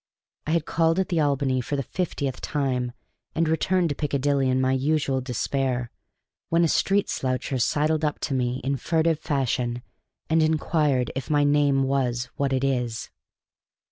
I had called at the Albany for the fiftieth time, and returned to Piccadilly in my usual despair, when a street sloucher sidled up to me in furtive fashion and inquired if my name was what it is.